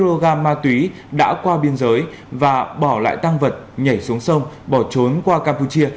hai kg ma túy đã qua biên giới và bỏ lại tăng vật nhảy xuống sông bỏ trốn qua campuchia